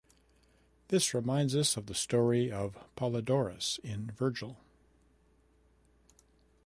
This reminds us of the story of Polydorus in Virgil.